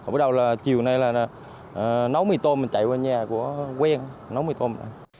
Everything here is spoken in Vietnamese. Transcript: bắt đầu là chiều nay là nấu mì tôm mình chạy qua nhà của quen nấu mì tôm